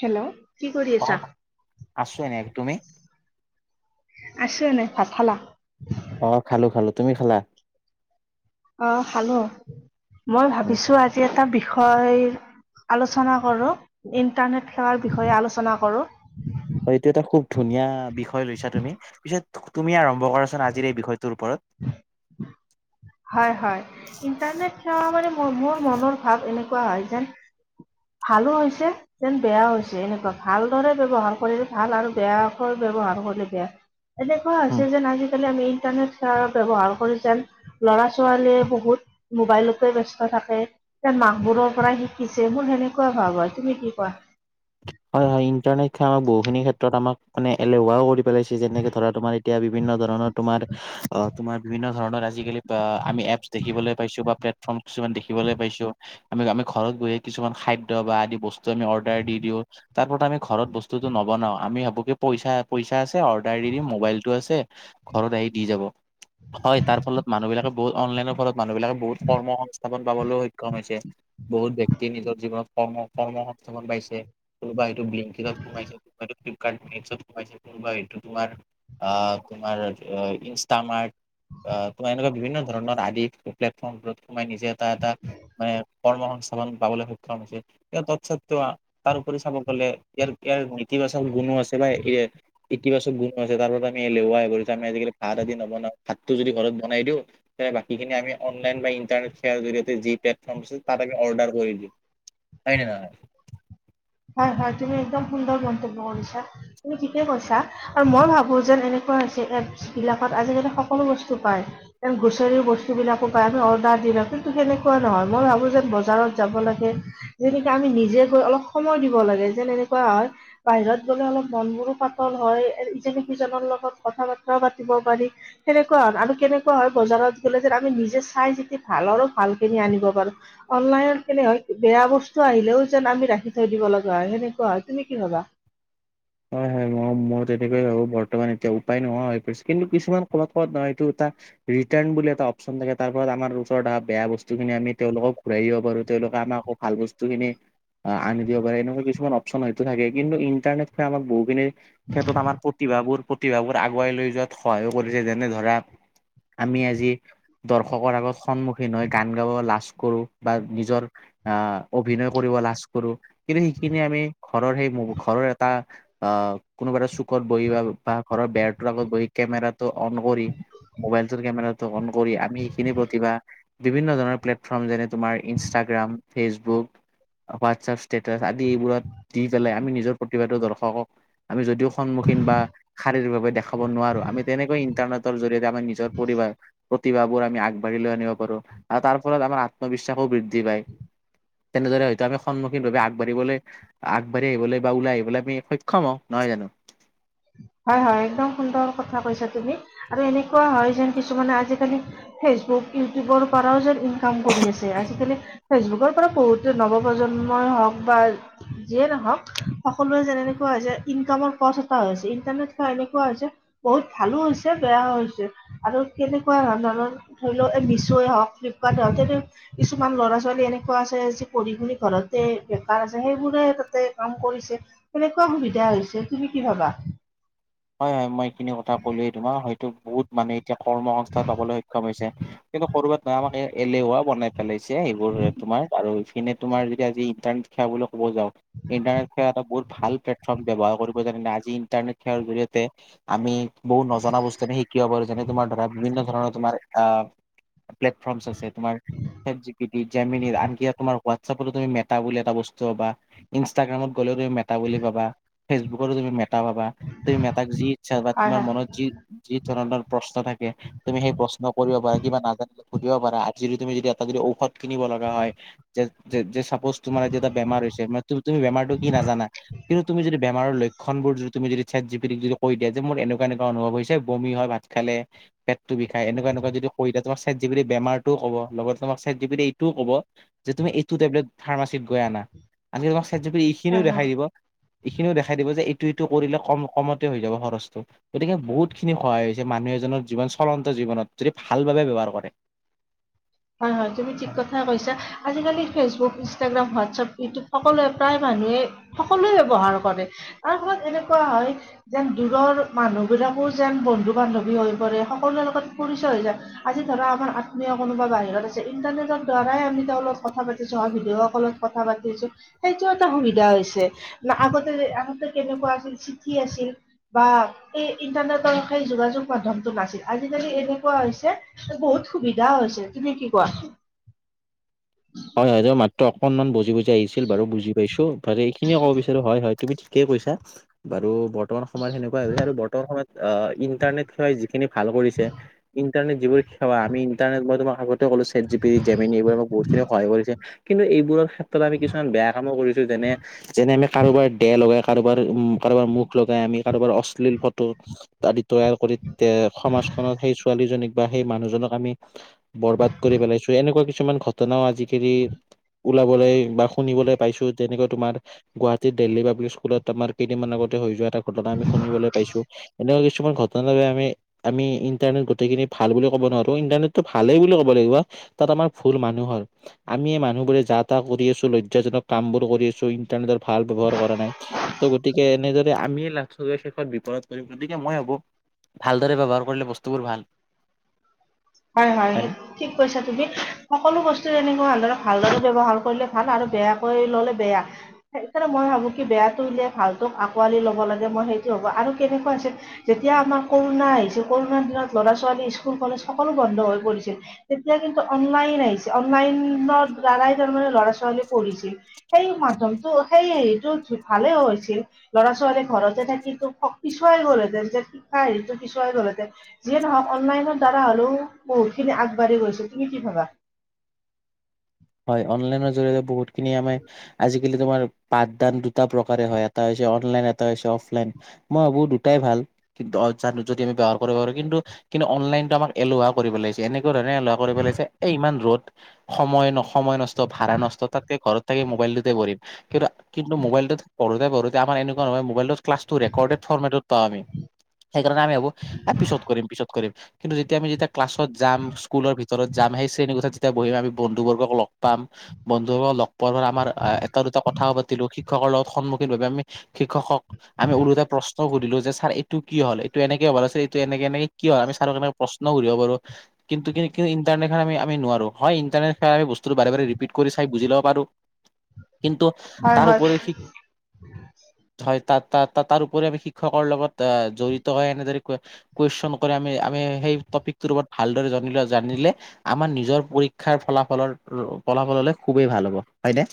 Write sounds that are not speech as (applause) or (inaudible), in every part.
Hello কি কৰি অ আছা আছো এনে তুমি আছো এনে ভাত খালা অ খালো খালো তুমি খালা অ খালো মই উ ভাবিছো আজি এটা বিষ বিষয় আলোচনা কৰো ইণ্টাৰনেট সেৱাৰ বিষয়ে আলোচনা কৰো হয় এইটো এটা খুব ধুনীয়া বিষয় লৈছা তুমি পিছত তুমি আৰম্ভ ক কৰাচোন আজিৰ এই বিষয়টোৰ ওপৰত হয় হয়। ইণ্টাৰনেট সেৱা মানে মোৰ মোৰ মনৰ ভাৱ এনেকুৱা হয় যেন ভালো হৈছে যেন বেয়াও হৈছে এনেকুৱা ভালদৰে ব্যৱহাৰ কৰিলে ভাল আৰু বেয়াকৈ ব্যৱ ৱহাৰ কৰিলে বেয়া এনেকুৱা উম, হৈছে যেন আজিকালি আমি ইন্টাৰনেট সেৱা ব্যৱহাৰ কৰি যেন ল'ৰা ছোৱালীয়ে বহুত মোবাইলতে ব্যস্ত থাকে তেন মাকবোৰৰ পৰাই শিকিছে মোৰ সেন কেনেকুৱা ভাৱ হয় তুমি কি কোৱা হয় ইন্টাৰনেট সেৱা আক বহুখিনি ক্ষেত্ৰত আমাক মান এলেহুৱাও কৰি পেলাইছে যেনেকে ধৰা তোমাৰ এতিয়া বিভিন্ন ধৰণ তোমাৰ অ তোমাৰ বিভিন্ন ধৰণৰ আজিকালি বা আমি এপছ্ দেখিবলৈ পাইছো বা প্লেটফৰ্ম কিছুমান দেখিবলৈ পাইছো আমি আমি ঘৰত বহি কিছুমান খাদ্য বা আদি বস্তু আমি অৰ্ডাৰ দি দিওঁ তাৰপৰা আমি ঘৰত বস্তুটো নবনাও আমি আব অকে পইচা পইচা আছে অৰ্ডাৰ দি দিম মবাইলটো আছে ঘৰত আহি দি যাব হয় তাৰ ফলত মানুহ বিলাকে বহুত অনলাইনৰ ফলত মানুহবিলাকে বহুত কৰ্ম সংস্থাপন পাবলৈও সক্ষম হৈছে বহুত ব্যক্তিয নিজৰ জীৱনত কৰ্ম কৰ্ম সংস্থাপন পাইছে কোনোবা হয়টো বেংকিঙত সোমাইছে এইটো ক্লাইমেক্সত সোমাইছে কোনোবা এইটো তোমাৰ তোমাৰ ইনষ্টামাৰ্ট অ তোমাৰ এনেকুৱা বিভিন্ন ধৰণৰ আদি প্লেটফৰ্ম মই নিজে এটা এটা মানে কৰ্ম সংস্থাপন পাবলৈ সক্ষম হৈছিল তৎস্বত্বও তাৰ উপৰি চাব গলে ইয়াৰ ইয়াৰ নেতিবাচক গুণো আছে বা এ ইতিবাচক গুণো আছে তাৰপৰা আমি এলেহুৱা হৈ গলো এতিয়া আমি আজিকালি ভাত আদি নবনাওঁ ভাতটো যদি ঘৰত বনাই দিওঁ বাকি খিনি আমি অনলাইন বা ইন্টাৰনেট সেৱাৰ জৰিয়তে যি প্লটফৰ্ম আছে তাত আমি অৰ্ডাৰ কৰি দিম। হয় নে নহয়। হয় তুমি একদম সুন্দৰ মন্তব্য কৰিছা, তুমি ঠিকে কৈছা আৰু মই ভাবো যেন এনেকুৱা হৈছে। এপচ্ বিলাকত আজিকালি সকলো বস্তু পাই গোচৰি বস্তুবিলাকো পাই আমি অৰ্ডাৰ দিলেতো সেনেকুৱা নহয় মই ভাবো যেন বজাৰত যাব লাগে। যেনেকে আমি নিজে গৈ অলপ সময় দিব লাগে যেন এনেকুৱা হয়, বাহিৰত গ'লে অলপ মন বোৰো পাতল হয় ইজনে সিজনৰ লগত কথা বতৰা পাতিব পাৰি, ‌ সেনেকুৱা আৰু কেনেকুৱা হয় বজাৰত গলে যে আমি নিজে চাইয়া চিতি ভাল আৰু ভাল খিনি আনিব পাৰো, অনলাইনত কেনে বেয়া বস্তু আহিলেও যেন আমি ৰাখি থৈ দিব লগা, হেনেকুৱা তুমি কি ভাবা? এ ম-মই তেনেকয়ে ভাবো বৰ্তমান এতিয়া উপায় নোহোৱা হৈ পৰিছে। কিন্তু কিছুমান কবাত, কবাত নাই এইটো এটা ৰিটাৰ্ণ বুলি এটা অপচন থাকে, তাৰ ওপৰত আমা ভাল বস্তু খিনি আ-আনি দিব পাৰে। এনেকুৱা কিছুমান অপচন হয়তো থাকে কিন্তু সেয়া আমা বহুখিনি ক্ষেত্ৰত আমাৰ প্ৰতিভাবোৰ, প্ৰত তিভাবোৰ আগুৱাই লৈ যোৱাত সহায়ো কৰিছে যেনে ধৰা আমি আজি দৰ্শকৰ আগত সন্মুখীন হৈ গান গাব লাজ কৰোঁ বা নিজৰ আ অভিনয় কৰিব লাজ কৰোঁ, কিন্তু হেইখিনি আমি ঘৰৰ হেই মোবো-ঘৰৰ আ, আ কোনোবাটো চোক ক'ত বহিবা বা ঘৰৰ বেৰটোৰ আগত বহি কেমেৰাটো অন কৰি মোবাইলটোৰ কেমেৰাটো অন কৰি আমি এখিনি প্ৰতিভা বিভিন্ন ধৰণৰ প্লেটফৰ্ম যেনে তোমাৰ ইনষ্টাগ্ৰাম ফেচবুক, হোৱাটছাপ ষ্টেটাচ আদি এইবোৰত দি পেলাই আমি নিজৰ প্ৰতিভাটো দৰ্শকক, আমি যদিও সন্মুখীন বা শাৰীৰিকভাৱে দেখাব নোৱাৰো আমি তেনেকৈ ইন্টাৰনেট টৰ জৰিয়তে আমি নিজৰ প্ৰতিভা, প্ৰতিভাবোৰ আমি আগবাঢ়ি লৈ আনিব পাৰোঁ আৰু তাৰ ফলত আমাৰ আত্মবিশ্বাসো বৃদ ধি পায়। তেনেদৰে হয়তো আমি সন্মুখীনভাৱে আগবাঢ়িবলে, আগবাঢ়ি আহিবলে বা ওলাই আহিবলে আমি সক্ষম হওঁ নহয় জানো? (inaudible) হয়, হয় একদম সুন্দৰ কথা কৈছা তুমি আৰু এনেকুৱা হয় যেন কিছুমানে আজিকালি ফেচবুক ইউটিউবৰ পাৰাও যেন ইনকাম কৰি আছে। আজিকালি ফেচবুকত (unintelligible) বহুতে নৱপ্ৰজন্মই হওঁক বা যিয়ে নহওঁক, সকলো‌ৱে যেন এনেকোৱা যে ইনকামৰ পথ তা হৈছে। ইণ্টাৰনেট বা এনেকুৱা হৈছে বহুত ভালো হৈছে, বেয়াও হৈছে আৰু কেনেকুৱা ধৱণ (unintelligible) ধই লক এ মিছয়ে হক, ফ্লিপকাৰ্টে হক তেনে, কিছুমান ল'ৰা ছোৱালী-এনেকুৱা আছে যি পঢ়ি শুনি ই ঘৰতে বেকাৰ আছে সেইবোৰে তাতে কাম কৰিছে। কেনেকুৱা সুবিধা হৈছে তুমি কি ভাবা? হয়, হয় মই এখিনি কথা কলোৱেই তোমা হয়তো বহুত মানে এতিয়া কৰ্ম সংস্থাত পাবলৈ সক্ষম হৈছে। কিন্তু কৰ'বাত নহয় আমাক এ-এলেুৱা বনাই পেলাইছে হেইবোৰ মাক আৰু এনে তোমাৰ যেতিয়া যি ইণ্টাৰনেট সেৱা বুলি ক'ব যাওঁ, ইণ্টাৰনেট সেৱা এটা বহুত ভাল প্লেটফৰ্ম ব্যৱহাৰ কৰিব জানিলে আজি ইন্টাৰনেট সেৱাৰ জৰিয়তে আমি বহুত নজনা বস্তু আমি শিকিব পাৰোঁ। যেনে তোমাৰ ধৰা বিভিন্ন ধৰণৰ তোমাৰ আ প্লেটফৰ্মচ আছে তোমাৰ চাট জিপিটি, জেমিনি আনকি তোমাৰ হোৱাটছাপতো তুমি মেটা‌ বুলি এটা বস্তু পাবা ইনষ্টাগ্ৰামত ক'লেও তুমি মেটা বুলি পাবা, ফেচবুক‌তো তুমি মেটা পাবা, তুমি মেট তাক যি ইচ্ছা বা হয় তোমাৰ হয় মনত যি, যি ধৰণৰ প্ৰশ্ন থাকে তুমি হেই প্ৰশ্ন কৰিব পাৰা কিবা নাজানিলে সুধিব পাৰা। আজিৰো তুমি যদি এটা যদি ঔষধ কিনিব লগা হয়, যে-যে-যে চাব প'ছ তোমাৰ এতিয়া এটা বেমাৰ হৈছে, ম তু-তুমি বেমাৰটো কি নাজানা কিন্তু তুমি যদি বেমাৰৰ লক্ষণবোৰ যদি তুমি চেট জিপ যদি, যদি কৈ দিয়া যে মোৰ এনেকুৱা, এনেকুৱা অনুভৱ হৈছে বমি হয় ভাত খালে, পেট টো বিষাই, এনেকুৱা এনেকুৱা যদি কই এতিয়া তোমাক চেটজিপিটি বেমাৰটোও ক'ব, লগতে তোমাক চেটজিপিটিয়ে ইটোও ক'ব যে তুমি এইটো টেবলেট ফাৰ্মাচিত গৈ আনা। আনকি তোমাক চেট জিপিতি এইখিনিও হয় হয় দেখাই দিব, ইখিনিও দেখাই দিব যে এইটো এইটো কৰিলে কম কমতে হৈ যাব খৰচটো। গতিকে বহুত খিনি সহায় হৈছে মানুহ এজনৰ যিমান চলন্ত জীৱনত, যদি ভাল ভাব বে ব্যৱহাৰ কৰে। হয়, হয় তুমি ঠিক কথা কৈছা। আজিকালি ফেচবুক, ইনষ্টাগ্ৰাম হোৱাটছেপ ইটো সকলোৱে, প্ৰায় মানুহে, সকলোৱে ব্যৱহাৰ কৰে তাৰ ফলত এনেকুৱা হয় যেন দূৰৰ মানুহবিলাকো যেন বন্ধু-বান্ধৱী হৈ পৰে। সকলোৰে লগত পৰিচয় হৈ যায়। আজি ধৰা তোমাৰ আত্মীয় কোনোবা বাহি হিৰত আছে, ইটাৰনেটৰ দ্বৰাই আমি তেওঁলত কথা পাতিছোঁ, হয় ভিডিঅ' কলত লগত কথা পাতিছোঁ। সেইটো এটা সু (unintelligible) আহিছে না আগতে যে আগতে কেনেকুৱা আছিল চিঠি আছিল বা এই ইণ্টাৰ (unintelligible) যোগাযোগ মাধ্মতটো নাছিল। আজিকালি এনেকুৱা হৈছে বহুত সুবিধা হৈছে। তুমি কি কোৱা? হয় হয় মাত্ৰ অকনমান বজি বজি আহিছিল বাৰু বুজি পাইছো। তাৰে এইখিনিয়ে ক'ব বিচাৰো হয় হয় তুমি ঠিক কেই কৈছা বাৰু বৰ্তমান সময়ত সেনেকুৱা হৈ গৈছে আৰু বৰ্তমান সময়ত অ, ইণ্টাৰনেট সেৱাই যি খিনি ভাল কৰিছে, ইণ্টাৰনেট যিবোৰ সেৱা আমি ইণ্টাৰনেট মই তোমা আগতে ক'লো ChatGPT Gemini এইবোৰ আমাক বহুত খিনি সহায় কৰিছে। কিন্তু এইবোৰৰ শে ত্ৰত আমি কিছুমান বেয়া কামো কৰিছোঁ যেনে, যেনে আমি কাৰোবাৰ দেহ লগাই কাৰোবাৰ উম, কাৰোবাৰ মুখ লগাই আমি কাৰোবাৰ অশ্লীল ফটো আদি তৈয়াৰ কৰি তে সমাজ খনত সেই ছোৱালীজনীক বা সেই মানুহজনক আমি বৰবাদ কৰি পেলাইছোঁ। এনেকুৱা কিছুমান ঘ নাও আজিকালি ওলাবলৈ বা শুনিবলৈ পাইছোঁ যেনেকৈ তোমাৰ, গুৱাহাটিত দিল্হী পাব্লিক স্কুলত তমাৰ কেইদিনমান আগতে হৈ যোৱা এটা ঘটনা আমি শুনিবলৈ পাইছোঁ। এনেকুৱা কিছু ঘটনাৰে বাবে আমি, আমি ইণ্টাৰনেট গোটেইখিনি ভাল বুলি ক'ব নোৱাৰো। ইণ্টাৰনেটটো ভালেই বুলি ক'ব লাগিব। তাত আমাৰ ভুল মানু নহ'ল আমিয়ে মানুহ বোৰে যা তা কৰি আছোঁ। লজ্জাজনক কাম বোৰ কৰি আছোঁ ইন্টাৰনেটৰ ভাল ব্যৱহাৰ কৰা নাই। ত' গতিকে এনেদৰে আমি (unintelligible) বিপদত পৰিম গতিকে মই ভাবো, ভালদৰে ব্যৱহাৰ কৰিলে বস্তুবোৰ ভাল। হয় হয় সে ঠিক কৈছা তুমি। সকলো বস এনেকুৱা ভালদৰে ব্যৱহাৰ কৰিলে ভাল আৰু বেয়াকৈ ল'লে বেয়া। সেইকাৰণে মই ভাবো কি বেয়াটো উলিয়ায় ভালটোক আঁকোৱালি ল'ব লাগে। মই সেইটো হ'ব আৰু কেনেকুৱা হৈছে, যে এতিয়া আমাৰ কৰোণা আহিছে কৰোণাৰ দিন ল'ৰা ছোৱালী স্কুল কলেজ সকলো বন্ধ হৈ পৰিছিল তেতিয়া কিন্তু অনলাইন আহিছে। অনলাইনত দাৰাই তাৰ মানে ল'ৰা ছো পঢ়িছিল সেই মাধমটো, সেই হেটো ভালে হৈছিল ল'ৰা ছোৱালী ঘৰতে থাকিটো স, পিছুৱাই গ'লহেতেন যে শিক্ষা হেৰিটো পিছুৱাই গ'লহেতেন যিয়ে ন'হওক অনলাইনত ডা হ'লেও বহুত খিনি আগবাঢ়ি গৈছে তুমি কি ভাবা? হয় অনলাইনৰ জৰিয়তে বহুতখিনি আমি, আজিকালি তোমাৰ পাঠদান দু এটা প্ৰকাৰে হয় এটা হৈছে অনলাইন এটা হৈছে অফলাইন। মই ভাবো দুটাই ভাল কিন্তু অ, জানো যদি আমি ব্যৱহাৰ কৰিব পাৰো, কিন্তু কিন্তু অনলাইন কিন্তু আমাক এলেহোৱা কৰিব লাগিছে। এনেকুৱা ধৰণে এলেহোৱা কৰিব লাগছে এই ইমান ৰ'দ। সময় ন সময় নষ্ট ভাড়া নষ্ট তাতকে ঘৰত থাকি মোবাইলটোতে পঢ়িম। কিন্তু কিন্তু মোবাইলটোত পঢ়োতে পঢ়োতে আমাৰ এনেকুৱা নহয় মোবাইটোত ক্লাচটো, ৰেকৰ্ডেড ফৰ্মেটত পাওঁ আমি। সেইকাৰণে আমি ভাবো এ, পিছত কৰিম, পিছত কৰিম কিন্তু যেতিয়া আমি যেতিয়া ক্লাছত যাম স্কুলৰ ভিতৰত যাম, সেই শ্ৰেণীকোঠাত যেতিয়া বহিম আমি বন্ধুবৰ্গক লগ পাম বন্ধুক লগ পোৱাৰ আমাৰ এটা দুটা কথাও পাতিলো শি শিক্ষকৰ লগত সন্মুখীন হয় পে আমি শিক্ষক সক-আমি ওলোটাই প্ৰশ সুধিলো যে ছাৰ এইটো কি হ'ল, এইটো এনেকে হ'বা লাগছিল। এইটো এনেকে এনেকে কি হ'ল আমি ছাৰক ইমান প্ৰশ্ন সুধি থাকো আৰু। কিন্তু কি কি ইটাৰনেট খ আমি আমি নোৱাৰো। হয় ইণ্টাৰনেট খা আমি বস (unintelligible) বাৰে বাৰে ৰিপিট চাই বুজি ল'ব পাৰো। কিন্তু হয় তাৰ হয় উপৰি সি, হয় তাত তা-তাৰ উপৰি আমি শিক্ষকৰ লগত অ, জড়িত হৈ এনেদৰে কোৱেচন কৰে আমি আমি সেই টপিকটোৰ ওপৰত ভালদৰে জনিলে জানিলে, আমাৰ নিজৰ পৰি শিক্ষাৰ ফলাফলৰ ৰ' ফলাফললে খুবেই ভাল হ'ব। হয়নে?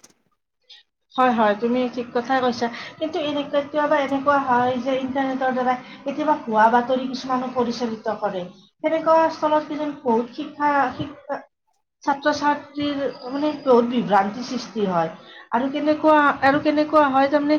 হয় হয় তুমি ঠিক কথাই কৈছা। কিন্তু এনে কেতিয়াবা এনেকুৱা হয় যে ইণ্টাৰনেটৰ দ্বাৰা কেতিয়াবা হোৱা বাতৰি কিছুমানো পৰিচালিত কৰে। সেনেকুৱা স্থলত কিজন বহুত শিক্ষা শিক্ষ ছাত্ৰ ছাত্ৰীৰ মানে বহুত বিভ্ৰান্তিৰ সৃষ্টি হয়। আৰু কেনেকুৱা আৰু কেনেকুৱা হয় তাৰমানে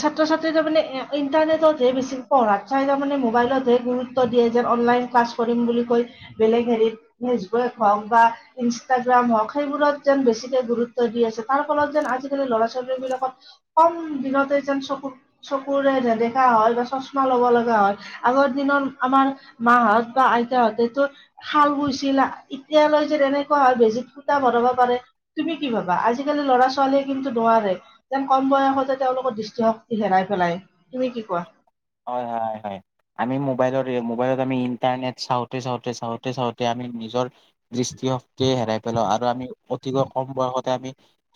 ছাত্ৰ ছাত্ৰীৰ তাৰ মানে এ, ইণ্টাৰনেটতহে বেছি পঢ়াত চাই তাৰ মানে মোবাইলতহে গুৰুত্ব দিয়ে যে অনলাইন ক্লাছ কৰিম বুলি কৈ বেলেগ হেৰিত, ফেচবুক হওক বা ইনষ্টাগ্ৰাম হওক সেই বোৰত যেন বেছিকে গুৰুত্ব দি আছে, তাৰ ফলত। যেন, আজিকালি ল'ৰা ছোৱালী বিলাকত কম দিনতে যেন চকুত চকুৰে নেদেখা হয়, বা। চচমা ল'ব লগা হয়। আগৰ দিনত, আমাৰ মাঁহত বা আইতাহঁতেতো শাল বুই। (unintelligible) এতিয়ালৈ যে, (unintelligible) বেজিত সুতা ভৰাব পাৰে। তুমি কি ভাবা? আজিকালি ল'ৰা ছোৱা। ছোৱালীয়ে কিন্তু, নোৱাৰে। যেন কম বয়সতে তেওঁলোকৰ দৃষ্টিশক্তি হেৰাই পেলাই। তুমি কি কোৱা? হয়, হয়, হয়। আমি মোবাইলত ৰি মোবাইলত। আৰু আমি ইণ্টাৰনেট চাওঁতে, চাওঁতে, চাওঁতে, চাওঁতে, আমি নিজৰ দৃষ্টিশক্তিয়ে হেৰাই পেলাও। আৰু, আমি। অতিকৈ কম বয়সতে আমি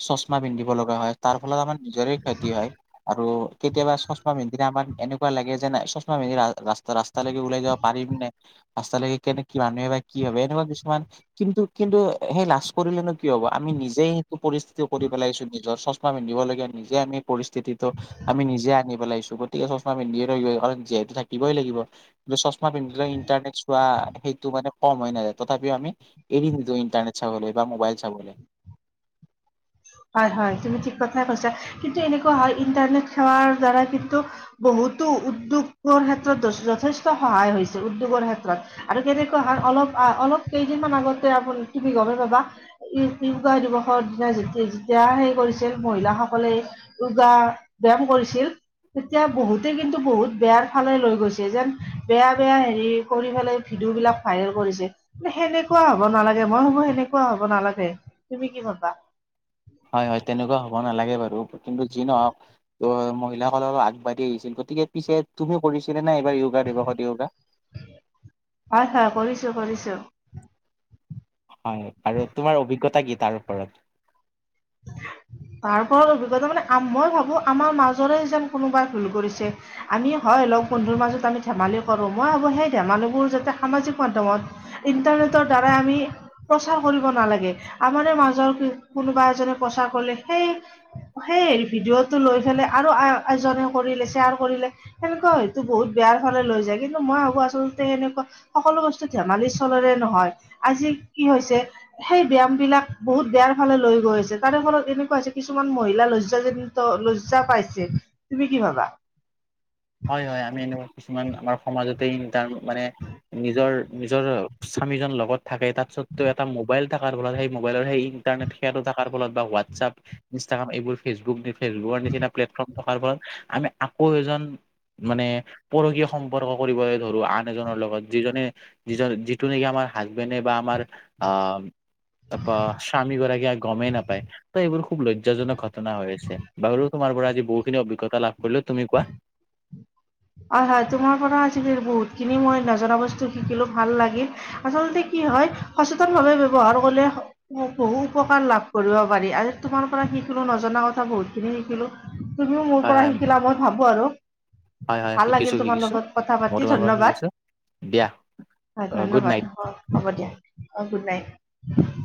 চশমা পিন্ধিব লগা হয়, তাৰ ফলত আমাৰ। নিজৰে ক্ষতি হয়। আৰু, কেতিয়াবা চশমা পিন্ধিলে আমাৰ। এনেকুৱা লাগে যেন, (unintelligible) চশমা মেলি ৰা ৰাস্তা-ৰাস্তালৈকে ওলাই যাব পাৰিম নে? পাঁচতালৈকে কেনে কি, মানুহে বা কি ভাবে? এনেকুৱা কিছুমান, কিন্তু কিন্তু সেই লাজ কৰিলেনো কি হব আমি। নিজেই (unintelligible) পৰিস্থিতি কৰি পেলাইছো নিজৰ, চশমা পিন্ধি। আনি পেলাইছো, গতিকে চশমা। চশমা পিন্ধ যিহেতু থাকিবই লাগিব কিন্তু চশমা পিন্ধিল ইণ্টাৰনেট চোৱা সেইটো মানে কম হৈ নাযায়। তথাপিও, আমি এৰি নিদো ইণ্টাৰনেট চাবলৈ বা মোবাইল চাবলে। (inaudible) হয়, হয়, তুমি ঠিক কথাই কৈছা। কিন্তু, এনেকুৱা হয় ইণ্টাৰনেট সেৱাৰ দ্বাৰা কিন্তু। বহুতো উদ্যোগৰ ক্ষেত্ৰত য-যথেষ্ট সহায় হৈছে। উদ্যোগৰ ক্ষেত্ৰত। আৰু, কেনেকুৱা হয়। অলপ আ অলপ কেইদিনমান আগতে (unintelligible) কিবি গমে পাবা। ই, (unintelligible) দিৱসৰ দিনাই যোগ। যেতিয়া, সেই কৰিছিল মহিলাসকলে। ইয়োগা, ব্যয়াম কৰিছিল। তেতিয়া, বহুতে কিন্তু বহুত বেয়াৰ ফালে লৈ গৈছে। যেন, বেয়া বেয়া হেৰি কৰি পেলাই। ভিডিঅ' বিলাক ভাইৰেল কৰিছে। সেনেকুৱা হব নালাগে। মই ভাবো সেনেকুৱা হব নালাগে। তুমি কি ভবা? হয়, হয়, তেনেকুৱা হ'ব নালাগে বাৰু। কিন্তু, যি নহওক ত মহিলাসকলো আগবাঢ়ি আহিছিল। গতিকে, পিছে তুমিও কৰিছিলা নাই এইবাৰ ইয়োগা দিৱসত ইয়োগা। হয় হয় কৰিছো (unintelligible) হয়, আৰু তোমাৰ অভিজ্ঞতা কি? তাৰ ওপৰত? (unintelligible) তাৰ ওপৰত অভিজ্ঞতা মানে, আ মই ভাবো আমাৰ মাজৰে যেন কোনোবাই ভুল কৰিছে। আমি, হয়। হয়, লগ বন্ধুৰ মাজত আমি ধেমালি কৰোঁ। মই ভাবো সেই ধেমালিবোৰ যাতে সামাজিক মাধ্যমত, ইণ্টাৰনেট। (unintelligible) দ্বাৰা আমি, প্ৰচাৰ কৰিব নালাগে। আমাৰে মাজৰ (unintelligible) কোনোবা এজনে। প্ৰচাৰ কৰিলে। সেই, সেই ভিডিঅ'টো লৈ ফেলে আৰু আ এজনে কৰিলে। শ্বেয়াৰ কৰি। সেনেকুৱা হয়তো বহুত বেয়াৰ ফালে লৈ যায়। কিন্তু, মই ভাবো আচলতে সেনেকুৱা সকলো বস্তু ধেমালিৰ। চলৰে নহয়। আজি কি হৈছে, সেই ব্যায়াম বিলাক বহুত বেয়াৰ ফালে লৈ গৈছে। তাৰে ফলত এনেকুৱা হৈছে, কিছুমান মহিলা লজ্জাজনিত, লজ্জা পাইছে। তুমি কি ভাবা? (inaudible) হয়, হয়। আমি, এনেকুৱা কিছুমান আমাৰ সমাজতে। তাৰ মানে নিজৰ, নিজৰ। আমিজন লগত থাকে। (unintelligible) এটা মোবাইল থাকাৰ ফলত, সেই মোবাইলৰ সেই ইণ্টাৰনেট সেৱাটো থাকাৰ ফলত বা হোৱাটছপ। তাত ইনষ্ট্ৰাগ্ৰাম এইবোৰ ফেচবুক, ফেচবুকৰ নিচিনা প্লেটফৰ্ম থকাৰ ফলত, আমি আকৌ এজন। মানে, পৰকীয় সম্পৰ্ক কৰিবলৈ ধৰো। আন এজনৰ লগত। যিজনে যিজন যিটো নেকি আমাৰ। হাজবেণ্ডে বা আমাৰ অহ। (unintelligible) স্বামী গৰাকীয়ে গমেই নাপায়। ত, এইবোৰ খুব লজ্জাজনক ঘটনা হৈ আছে। বাৰু তোমাৰ। তোমাৰ পৰা আজি বহুখিনি অভিজ্ঞতা লাভ কৰিলো। তুমি কোৱা? হয়, হয়, তোমাৰ পৰা আজি বহুত খিনি মই নজনা বস্তু শিকিলো ভাল লাগিল। আচলতে কি হয়, সচেতন ভাৱে ব্যৱহাৰ কৰিলে ব-বহু উপকাৰ লাভ কৰিব পাৰি। (unintelligible) তোমাৰ পৰা শিক (unintelligible) নজনা কথা বহুত খিনি শিকিলো। তুমিও মোৰ হয় পৰা হয় শিকিলা, মই ভাবো আৰু। হয় হয় ভাল লাগিল, শিকিছো তোমাৰ শিকিছো লগত কথা মই পাতি তোমাৰ পৰা ধন্যবাদ। শিকিছো দিয়া হয়, গুড নাইট। ধন্যবাদ, হ'ব হ'ব দিয়া। অ', গুড নাইট।